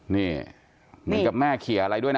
นี่เหมือนกับแม่เขียอะไรด้วยนะ